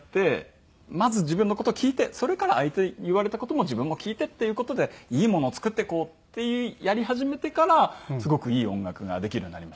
まず自分の事を聞いてそれから相手言われた事も自分も聞いてっていう事でいいものを作っていこうってやり始めてからすごくいい音楽ができるようになりましたね。